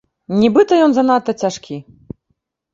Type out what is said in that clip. Нібыта ён занадта цяжкі.